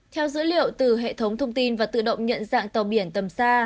theo dữ liệu từ hệ thống thông tin và tự động nhận dạng tàu biển tầm xa